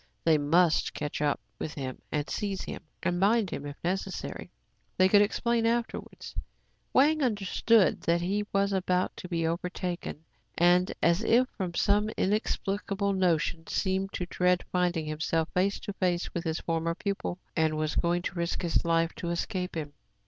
They must catch up with him, seize him, and bind him if necessary. They could explain afterwards. Wang understood that he was about to be over taken, and, as if from some inexplicable notion, seemed to dread finding himself face to face with his former pupil, and was going to risk his life to escape him.